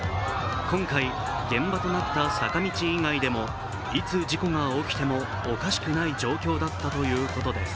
今回、現場となった坂道以外でもいつ事故が起きてもおかしくない状況だったということです。